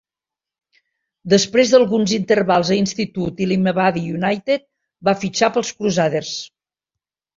Després d'alguns intervals a Institute i Limavady United, va fitxar pels Crusaders.